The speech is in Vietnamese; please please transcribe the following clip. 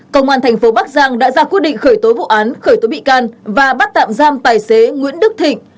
công an tp bắc giang đã ra quyết định khởi tối vụ án khởi tối bị can và bắt tạm giam tài xế nguyễn đức thịnh